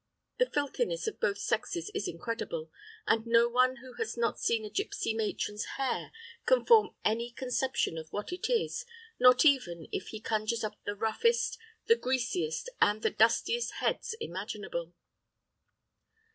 The filthiness of both sexes is incredible, and no one who has not seen a gipsy matron's hair can form any conception of what it is, not even if he conjures up the roughest, the greasiest, and the dustiest heads imaginable.